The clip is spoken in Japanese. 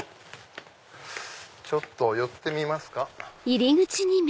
ちょっと寄ってみますか。